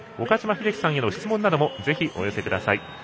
岡島秀樹さんへの質問などもぜひお寄せください。